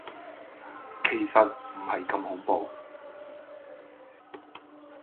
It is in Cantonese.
其實唔係咁恐怖